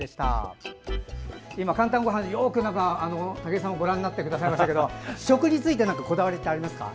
今、「かんたんごはん」武井さんもよくご覧になってくださいましたけど食について何かこだわりってありますか？